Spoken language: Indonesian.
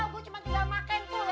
gue cuma juga makan tuh